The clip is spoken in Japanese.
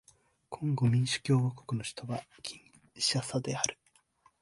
コンゴ民主共和国の首都はキンシャサである